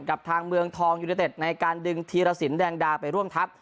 กับทางเมืองทองยูเนเต็ดในการดึงธีรสินแดงดาไปร่วมทัพ